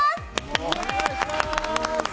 お願いします